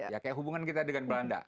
ya kayak hubungan kita dengan belanda